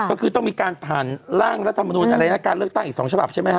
ก็คือต้องมีการผ่านร่างรัฐมนุนอะไรนะการเลือกตั้งอีก๒ฉบับใช่ไหมฮ